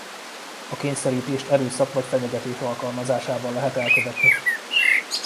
A kényszerítést erőszak vagy fenyegetés alkalmazásával lehet elkövetni.